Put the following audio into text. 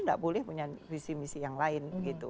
enggak boleh punya visi misi yang lain